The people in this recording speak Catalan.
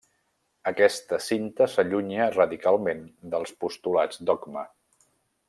Aquesta cinta s'allunya radicalment dels postulats Dogma.